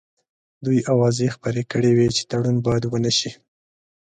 دوی اوازې خپرې کړې وې چې تړون باید ونه شي.